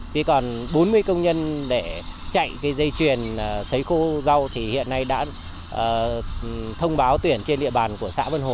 chỉ còn bốn mươi công nhân để chạy dây chuyền sấy khô rau thì hiện nay đã thông báo tuyển trên địa bàn của xã vận hồ